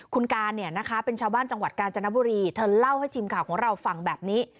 คุณการเนี่ยนะคะเป็นชาวบ้านจังหวัดกาญจนบุรีเธอเล่าให้ทีมข่าวของเราฟังแบบนี้